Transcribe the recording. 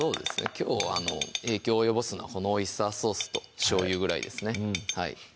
きょう影響及ぼすのはこのオイスターソースとしょうゆぐらいですね